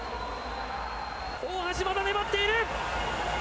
大橋、まだ粘っている。